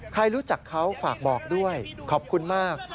ใครรู้จักเขาฝากบอกด้วยขอบคุณมาก